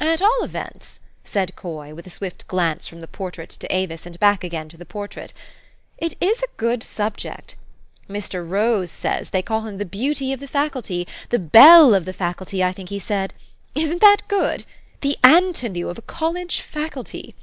"At all events," said Coy, with a swift glance from the portrait to Avis, and back again to the portrait, " it is a good subject. Mr. Rose says they call him the beauty of the Faculty, the belle of the Faculty, I think he said. Isn't that good? The Antinous of a college Faculty